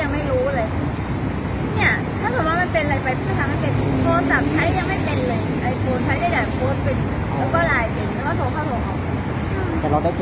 มันเจอกถ้าพวกเจอกจะด่าไม่ชน